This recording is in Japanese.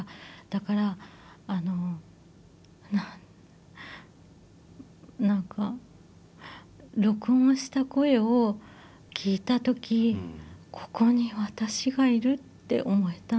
だから何か録音した声を聞いた時ここに私がいるって思えたんです。